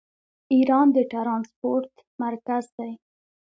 ایران د ټرانسپورټ مرکز دی.